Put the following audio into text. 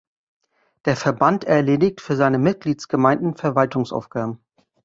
Der Verband erledigt für seine Mitgliedsgemeinden Verwaltungsaufgaben.